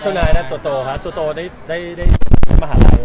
เจ้านายนั่นโตโตค่ะโตโตได้ที่มหาลัย